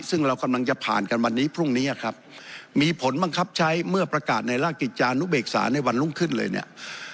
ซึ่งเรากำลังจะผ่านกันวันนี้พรุ่งนี้ครับมีผลบังคับใช้เมื่อประกาศในราชกิจจานุเบกษาในวันรุ่งขึ้นเลยเนี่ย